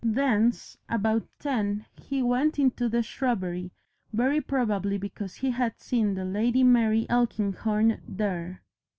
Thence about ten he went into the shrubbery, very probably because he had seen the Lady Mary Elkinghorn there.